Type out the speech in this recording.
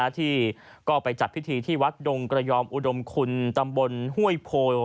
ที่ก็ไปจัดพิธีที่วัดดงกระยอมอุดมคุณตำบลห้วยโพ